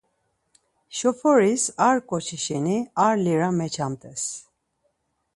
Şoforis ar ǩoçi şeni ar lira meçamt̆es.